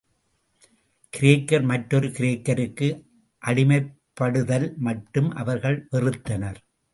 கிரேக்கர் மற்றொரு கிரேக்கருக்கு அடிமைப்படுதல் மட்டும் அவர்கள் வெறுத்தனர்.